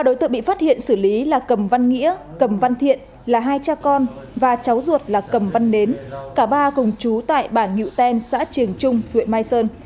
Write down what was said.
ba đối tượng bị phát hiện xử lý là cầm văn nghĩa cầm văn thiện là hai cha con và cháu ruột là cầm văn đến cả ba cùng chú tại bản nhịu ten xã trường trung huyện mai sơn